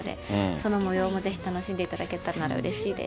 そのもようもぜひ楽しんでいただけたならうれしいです。